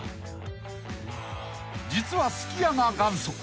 ［実はすき家が元祖］